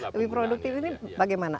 lebih produktif ini bagaimana